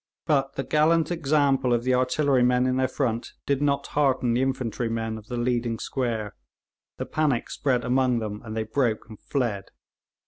But the gallant example of the artillerymen in their front did not hearten the infantrymen of the leading square. The panic spread among them, and they broke and fled.